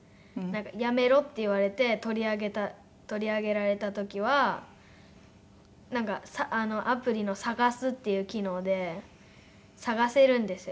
「やめろ」って言われて取り上げられた時はアプリの「探す」っていう機能で探せるんですよ